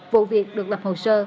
vụ việc được lập hồ sơ